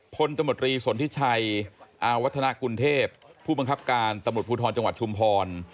ตมตรีสนทิชัยอาวัฒนากุลเทพผู้บังคับการตำรวจภูทรจังหวัดชุมพร